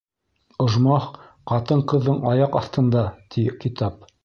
Ожмах ҡатын-ҡыҙҙың аяҡ аҫтында, ти китап.